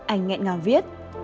anh ngẹn ngào viết